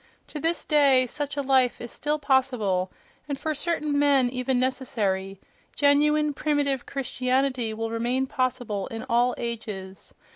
To this day such a life is still possible, and for certain men even necessary: genuine, primitive Christianity will remain possible in all ages....